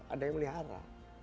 ada yang melihara